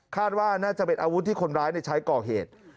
ว่าน่าจะเป็นอาวุธที่คนร้ายใช้ก่อเหตุ